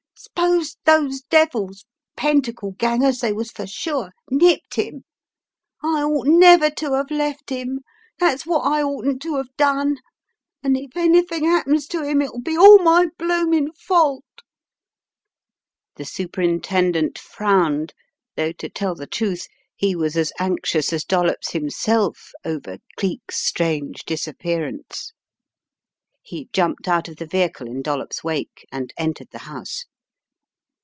S'pose those devils, Pentacle gangers they was fer sure, nipped 'im? I ought never to *ave left 'im! The Trap 257 That's wot I oughtn't to 'ave done. An* if anything 'appens to 'im it'll be all my blooming fault!" The Superintendent frowned, though to tell the truth, he was as anxious as Dollops himself over Cleek's strange disappearance. He jumped out of the vehicle in Dollops' wake and entered the house.